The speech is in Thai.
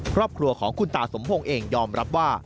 ครอบครัวของคุณตาสมพงศ์เองยอมรับว่า